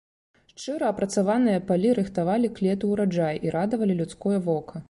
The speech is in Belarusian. Шчыра апрацаваныя палі рыхтавалі к лету ўраджай і радавалі людское вока.